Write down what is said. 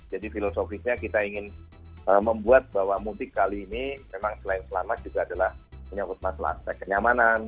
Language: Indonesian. filosofisnya kita ingin membuat bahwa mudik kali ini memang selain selamat juga adalah menyangkut masalah aspek kenyamanan